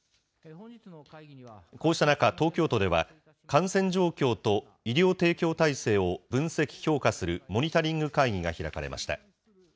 こうした中、東京都では、感染状況と医療提供体制を分析・評価するモニタリング会議が開かれました。